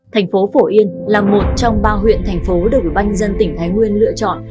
thành phố phổ yên là một trong ba huyện thành phố được banh dân tỉnh thái nguyên lựa chọn